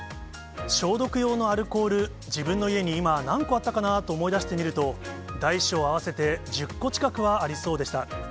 消毒用のアルコール、自分の家に今、何個あったかなと思い出してみると、大小合わせて１０個近くはありそうでした。